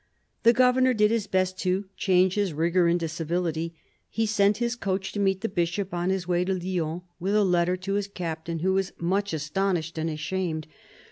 The governor did his best to "change his rigour into civility." He sent his coach to meet the Bishop on his way to Lyons, with a letter to his captain, who was much astonished and ashamed.